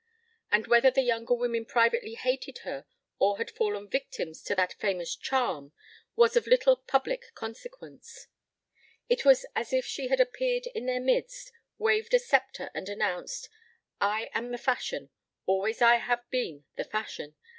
And whether the younger women privately hated her or had fallen victims to that famous charm was of little public consequence. It was as if she had appeared in their midst, waved a sceptre and announced: "I am the fashion. Always have I been the fashion.